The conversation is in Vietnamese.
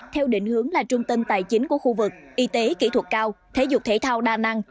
theo định hướng là trung tâm tài chính của khu vực y tế kỹ thuật cao thể dục thể thao đa năng